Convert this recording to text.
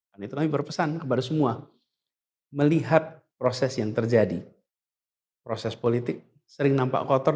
dan itu kami berpesan kepada semua melihat proses yang terjadi proses politik sering nampak kotor dan berusaha